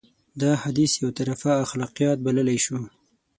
دا حديث يو طرفه اخلاقيات بللی شو.